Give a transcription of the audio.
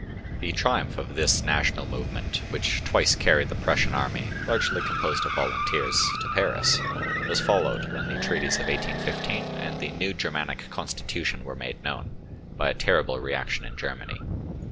The triumph of this national movement, which twice carried the Prussian army—largely composed of volunteers—to Paris, was followed, when the treaties of 1815 and the new Germanic constitution were made known, by a terrible reaction in Germany.